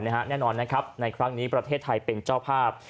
แน่นอนนะครับในครั้งนี้ประเทศไทยเป็นเจ้าภาพ